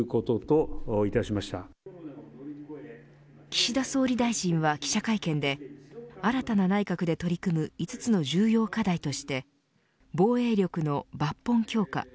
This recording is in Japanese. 岸田総理大臣は記者会見で新たな内閣で取り組む５つの重要課題として防衛力の抜本強化